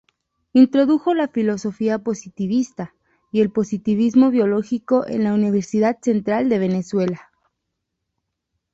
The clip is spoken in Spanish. Introdujo la filosofía positivista y el positivismo biológico en la Universidad Central de Venezuela.